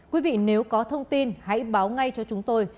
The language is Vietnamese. quý vị nếu có thông tin hãy báo ngay cho chúng tôi